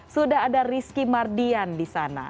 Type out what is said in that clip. sudah ada rizky mardian di sana